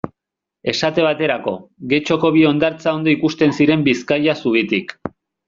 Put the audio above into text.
Esate baterako, Getxoko bi hondartza ondo ikusten ziren Bizkaia zubitik.